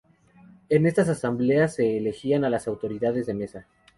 En estas asambleas se elegían a las autoridades de mesa.